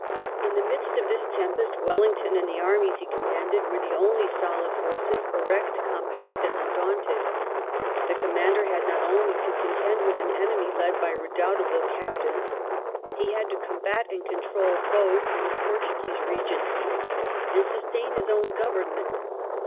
In the midst of this tempest Wellington and the armies he commanded were the only solid forces, erect, compact, and undaunted. The commander had not only to contend with an enemy led by redoubtable captains. He had to combat and control foes in the Portuguese Eegency, and sustain his own Grovemment.